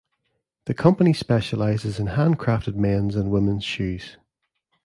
The company specializes in handcrafted men's and women's shoes.